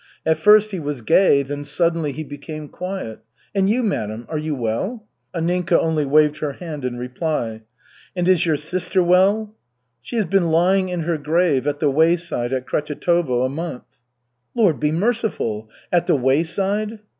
At first he was gay, then suddenly he became quiet. And you, madam, are you well?" Anninka only waved her hand in reply. "And is your sister well?" "She has been lying in her grave at the wayside at Krechetovo a month." "Lord be merciful! At the wayside!"